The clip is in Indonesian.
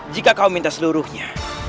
jika kau minta seluruhnya